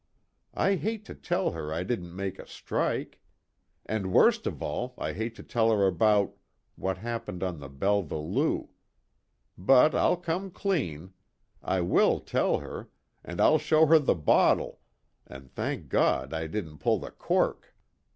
I hate to tell her I didn't make a strike. And worst of all I hate to tell her about what happened on the Belva Lou. But, I'll come clean. I will tell her and I'll show her the bottle and thank God I didn't pull the cork!